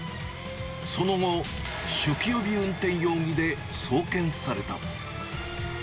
その後、酒気帯び運転容疑で送検された。